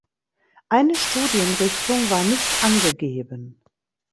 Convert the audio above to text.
Eine Studienrichtung war nicht angegeben.